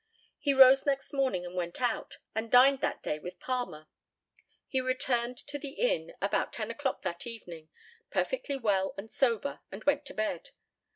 He rose next morning and went out, and dined that day with Palmer. He returned to the inn about ten o'clock that evening, perfectly well and sober, and went to bed.